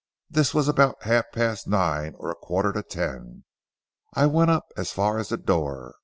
This was about half past nine or a quarter to ten. I went up as far as the door.